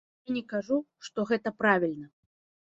Я не кажу, што гэта правільна.